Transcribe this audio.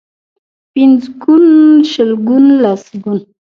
پنځونه، شلګون ، لسګون.